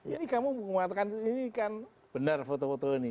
ini kamu mengatakan ini kan benar foto foto ini